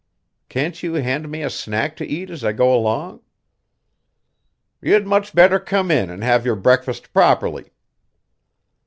Can't you hand me a snack to eat as I go along?" "You'd much better come in an' have your breakfast properly."